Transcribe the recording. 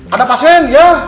ada pasien ya